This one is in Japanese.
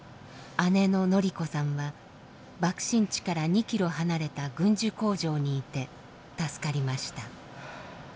姉の子さんは爆心地から２ｋｍ離れた軍需工場にいて助かりました。